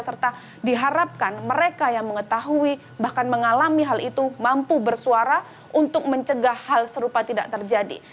serta diharapkan mereka yang mengetahui bahkan mengalami hal itu mampu bersuara untuk mencegah hal serupa tidak terjadi